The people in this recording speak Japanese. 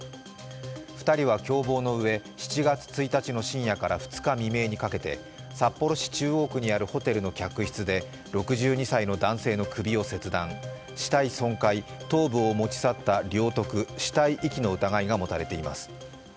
２人は共謀のうえ、７月１日の深夜から２日未明にかけて札幌市中央区にあるホテルの客室で６２歳の男性の首を切断死体損壊、頭部を持ち去った領得、死体遺棄の疑いが持たれています。